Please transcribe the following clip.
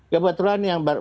kebetulan yang ber